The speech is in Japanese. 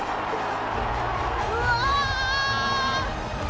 うわ！